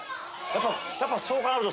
やっぱそう考えると。